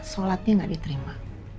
sholatnya gak diterima